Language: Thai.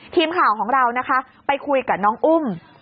ทีมข่าวของเรานะคะไปคุยกับน้องอุ้ม